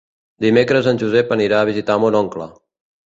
Dimecres en Josep anirà a visitar mon oncle.